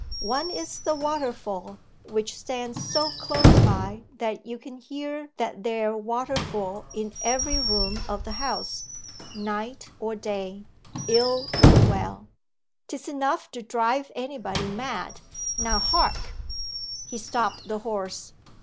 'One is the waterfall, which stands so close by that you can hear that there waterfall in every room of the house, night or day, ill or well. 'Tis enough to drive anybody mad: now hark.' He stopped the horse.